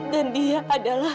dan dia adalah